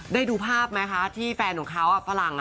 ได้ดูภาพมั้ยคะที่แฟนของเขาฟะหลัง